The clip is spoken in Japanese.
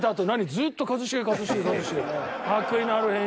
ずっと「一茂」「一茂」「一茂」。